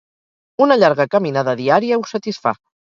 Una llarga caminada diària ho satisfà.